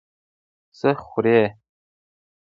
څه خوړې؟